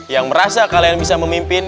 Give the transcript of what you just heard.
yang merasa kalian bisa memimpin